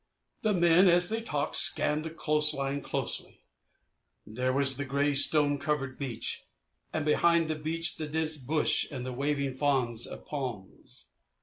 The men, as they talked, scanned the coast line closely. There was the grey, stone covered beach, and, behind the beach, the dense bush and the waving fronds of palms.